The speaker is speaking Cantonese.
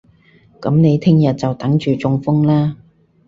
噉你聽日就等住中風啦